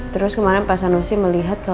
terus kemarin pak sanusi melihat